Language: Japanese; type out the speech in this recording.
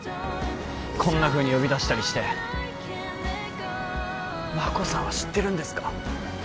こんなふうに呼び出したりして真子さんは知ってるんですか？